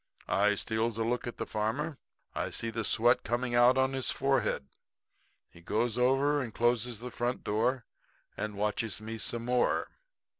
"'I steals a look at the farmer man. I see the sweat coming out on his forehead. He goes over and closes the front door and watches me some more.